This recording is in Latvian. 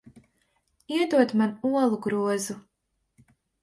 Iedod man olu grozu.